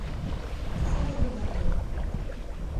Ça les regardait.